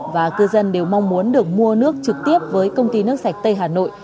và cư dân đều mong muốn được mua nước trực tiếp với công ty nước sạch tây hà nội